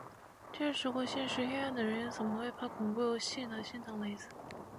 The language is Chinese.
见识过现实黑暗的人，又怎么会怕恐怖游戏呢，心疼雷子